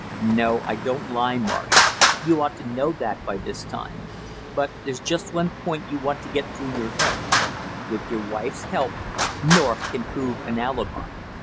"No, I don't lie, Marsh, you ought to know that by this time; but there's just one point you want to get through your head; with your wife's help North can prove an alibi.